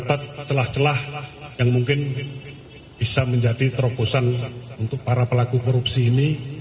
dapat celah celah yang mungkin bisa menjadi terobosan untuk para pelaku korupsi ini